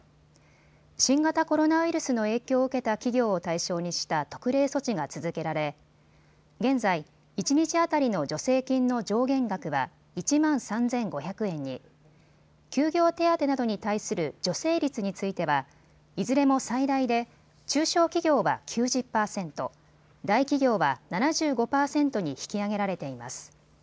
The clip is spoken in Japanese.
新型コロナウイルスの影響を受けた企業を対象にした特例措置が続けられ、現在、一日当たりの助成金の上限額は１万３５００円に、休業手当などに対する助成率についてはいずれも最大で中小企業は９０％、大企業は７５％に引き上げられています。